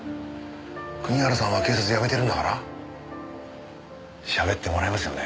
国原さんは警察辞めてるんだから喋ってもらえますよね？